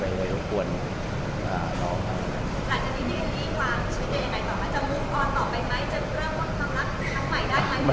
หลังจากนี้มีความชีวิตจะยังไงต่อมาจะมุมก่อนต่อไปไหม